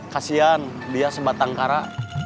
kasian dia sebatang kara